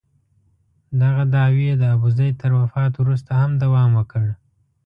دغه دعوې د ابوزید تر وفات وروسته هم دوام وکړ.